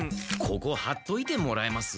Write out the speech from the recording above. ここはっといてもらえます？